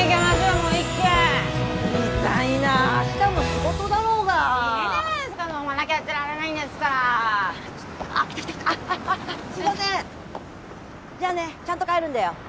もう一軒うるさいなあ明日も仕事だろうがいいじゃないですか飲まなきゃやってられないんですからあっ来た来た来たあっあっあっすいませんじゃあねちゃんと帰るんだよ